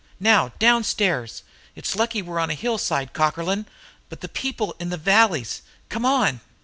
Now, downstairs! It's lucky we're on a hillside, Cockerlyne! But the people in the valleys! Come on!"